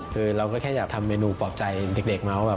คือเราก็แค่อยากทำเมนูปลอบใจเด็กมาว่าแบบ